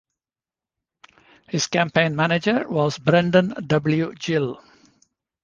His campaign manager was Brendan W. Gill.